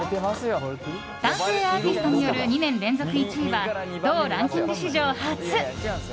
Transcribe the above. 男性アーティストによる２年連続１位は同ランキング史上初。